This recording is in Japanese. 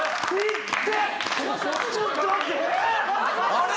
あれ？